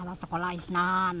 alat sekolah isnan